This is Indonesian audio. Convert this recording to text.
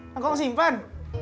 yang kau simpen